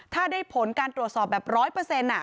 ถ้าได้ผลการตรวจสอบแบบร้อยเปอร์เซ็นต์